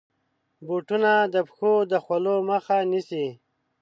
بوټونه د پښو د خولو مخه نیسي.